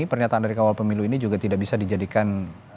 pernyataan dari kawal pemilu ini juga tidak bisa dijadikan